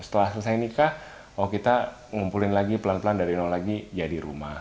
setelah selesai nikah oh kita ngumpulin lagi pelan pelan dari nol lagi jadi rumah